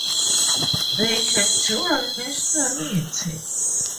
They had dual nationality.